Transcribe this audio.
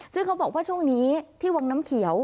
ซึ่งเขาบอกว่าช่วงนี้ที่วังน้ำเขียว